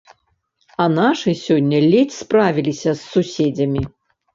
А нашы сёння ледзь справіліся з суседзямі.